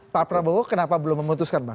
pak prabowo kenapa belum memutuskan bang